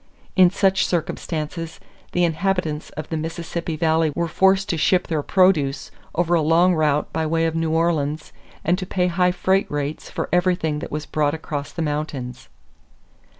In such circumstances, the inhabitants of the Mississippi Valley were forced to ship their produce over a long route by way of New Orleans and to pay high freight rates for everything that was brought across the mountains.